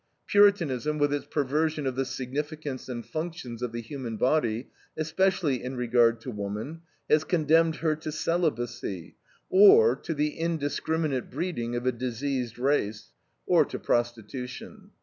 Puritanism, with its perversion of the significance and functions of the human body, especially in regard to woman, has condemned her to celibacy, or to the indiscriminate breeding of a diseased race, or to prostitution.